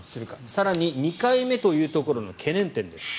更に、２回目というところの懸念点です。